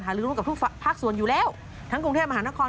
หรือรู้กับทุกภาคส่วนอยู่แล้วทั้งกรุงเทพมหานคร